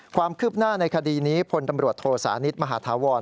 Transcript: ความคืบหน้าในคดีนี้พลตำรวจโทสานิทมหาธาวร